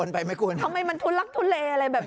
ถ้าอยากรู้เนี่ยไปฟังเขาเล่าเองนะฮะ